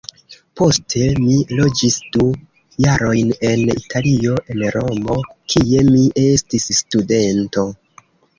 Poste mi loĝis du jarojn en Italio, en Romo, kie mi estis studento.